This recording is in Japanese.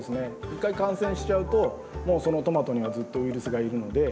一回感染しちゃうともうそのトマトにはずっとウイルスがいるので。